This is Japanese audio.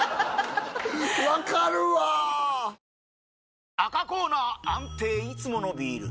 分かるわ赤コーナー安定いつものビール！